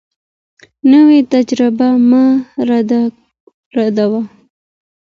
نوي تجربې مه ردوه.